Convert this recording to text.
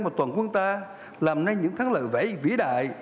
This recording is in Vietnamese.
mà toàn quân ta làm nên những thắng lợi vẫy vĩ đại